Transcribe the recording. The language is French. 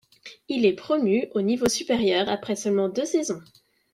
Il est promu au niveau supérieur après seulement deux saisons.